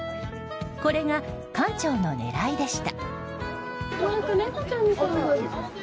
これが館長の狙いでした。